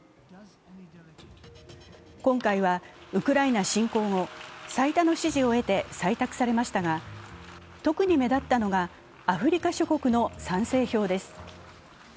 今回はウクライナ侵攻後、最多の支持を得て採択されましたが特に目立ったのがアフリカ諸国の賛成票です。